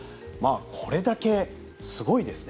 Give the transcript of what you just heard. これだけ、すごいですね。